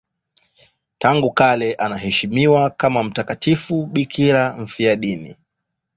Tangu kale anaheshimiwa kama mtakatifu bikira mfiadini.